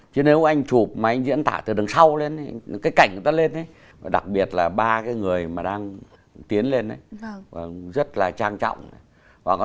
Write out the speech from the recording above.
chứ nếu anh chụp mà anh diễn tả từ đằng sau lên cái cảnh người ta lên và đặc biệt là ba cái người mà đang tiến lên ấy rất là trang trọng này